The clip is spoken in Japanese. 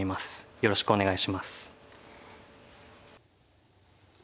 よろしくお願いします。